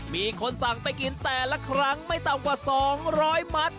มีคนสั่งไปกินแต่ละครั้งไม่ต่ำกว่า๒๐๐มัตต์